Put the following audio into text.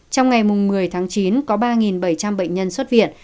trong ngày một mươi tháng chín có ba bảy trăm linh bệnh nhân xuất viện